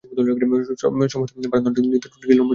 সমস্ত ভারতনাট্যম নৃত্যশিল্পীদের কি লম্বা চুল থাকতেই হয়?